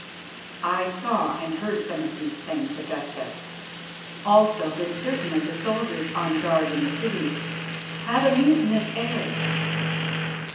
'" "I saw and heard something of these things, Augusta; also that certain of the soldiers on guard in the city had a mutinous air."